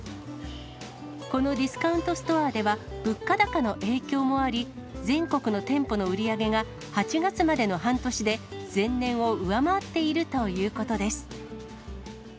このディスカウントストアでは物価高の影響もあり、全国の店舗の売り上げが８月までの半年で、前年を上回っているということです。